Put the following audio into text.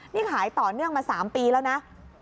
นี่ขายต่อเนื่องมา๓ปีแล้วนะ